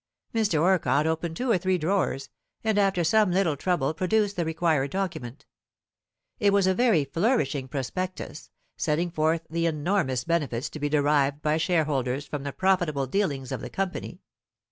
Mr. Orcott opened two or three drawers, and after some little trouble produced the required document. It was a very flourishing prospectus, setting forth the enormous benefits to be derived by shareholders from the profitable dealings of the company.